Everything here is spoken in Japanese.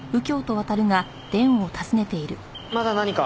まだ何か？